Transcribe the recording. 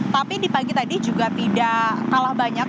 tapi di pagi tadi juga tidak kalah banyak